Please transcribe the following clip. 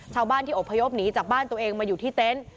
ชาวบ้านที่อบพยพหนีจากบ้านตัวเองมาอยู่ที่เต็นต์